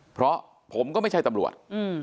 เพราะผมก็ไม่ใช่ตำรวจ